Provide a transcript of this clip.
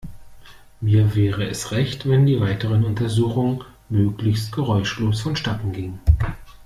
Mir wäre es recht, wenn die weiteren Untersuchungen möglichst geräuschlos vonstatten gingen.